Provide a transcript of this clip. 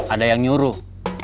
ada yang nyuruh